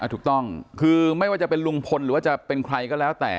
ถูกต้องคือไม่ว่าจะเป็นลุงพลหรือว่าจะเป็นใครก็แล้วแต่